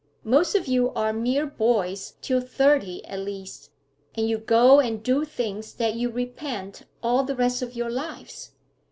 Most of you are mere boys till thirty at least, and you go and do things that you repent all the rest of your lives.